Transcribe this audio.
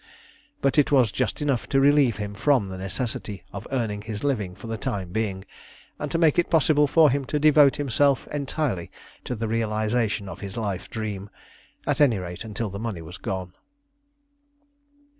But it was just enough to relieve him from the necessity of earning his living for the time being, and to make it possible for him to devote himself entirely to the realisation of his life dream at any rate until the money was gone.